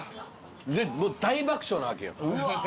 でもう大爆笑なわけよ。